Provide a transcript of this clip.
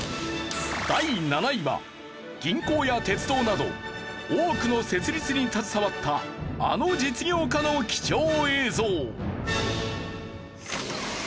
第７位は銀行や鉄道など多くの設立に携わったあの実業家の貴重映像。